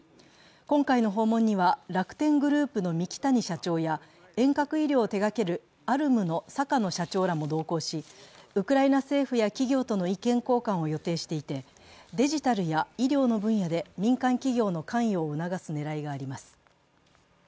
今回の訪問には楽天グループの三木谷社長や遠隔医療を手がけるアルムの坂野社長らも同行し、ウクライナ政府や企業との意見交換を予定していて、デジタルや医療の分野で民間企業の関与を促す狙いがあります。